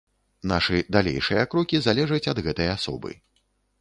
Нашы далейшыя крокі залежаць ад гэтай асобы.